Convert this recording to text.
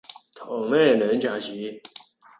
糖呢兩茶匙